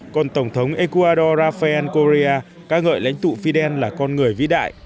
còn tổng thống ecuador rafael koria ca ngợi lãnh tụ fidel là con người vĩ đại